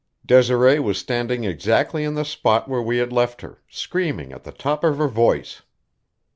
Desiree was standing exactly in the spot where we had left her, screaming at the top of her voice.